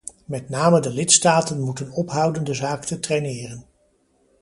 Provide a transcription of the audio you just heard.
Met name de lidstaten moeten ophouden de zaak te traineren.